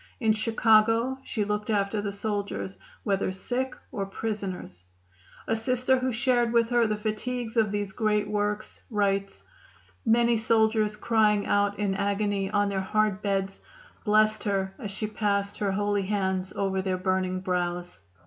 In Chicago she looked after the soldiers, whether sick or prisoners. A Sister who shared with her the fatigues of these great works writes: "Many soldiers crying out in agony on their hard beds blessed her as she passed her holy hands over their burning brows.